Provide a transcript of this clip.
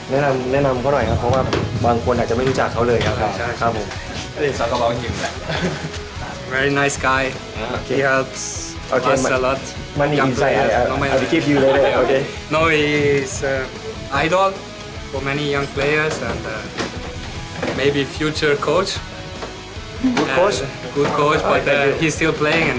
แนะนำเขาหน่อยครับเพราะว่าบางคนอาจจะไม่รู้จักเขาเลยครับผม